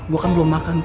gue kan belum makan v